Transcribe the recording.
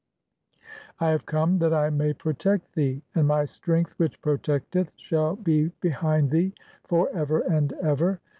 I have come that (2) I may protect thee, "and my strength which protecteth shall be behind thee for (3) "ever and ever.